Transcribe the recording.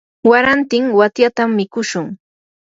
warantin watyatam mikushun.